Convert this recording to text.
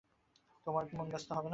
তোমারও মন ব্যস্ত হবে না?